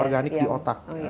organik di otak